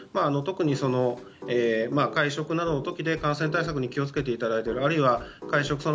特に会食などの時に感染対策に気を付けていただいているあるいは会食